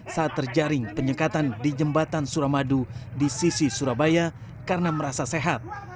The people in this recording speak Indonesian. saat terjaring penyekatan di jembatan suramadu di sisi surabaya karena merasa sehat